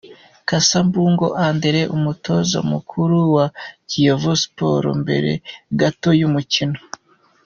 Cassa Mbungo Andre umutoza mukuru wa Kiyovu Sport mbere gato y'umukino.